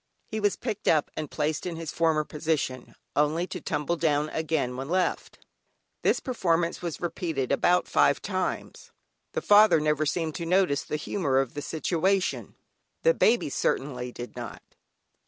He was picked up and placed in his former position, only to tumble down again when left. This performance was repeated about five times; the father never seemed to notice the humour of the situation the baby certainly did not.